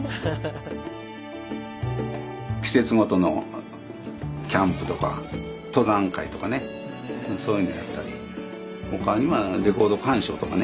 季節ごとのキャンプとか登山会とかねそういうのやったり他にはレコード鑑賞とかね